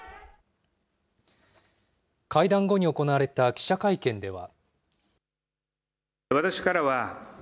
会談後に行われた記者会見では。